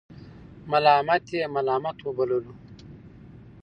ملامت یې ملامت وبللو.